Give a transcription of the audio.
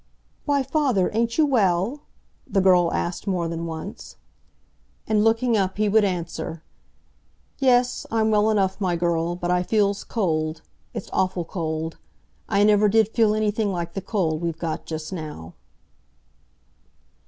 "Why, father, ain't you well?" the girl asked more than once. And, looking up, he would answer, "Yes, I'm well enough, my girl, but I feels cold. It's awful cold. I never did feel anything like the cold we've got just now."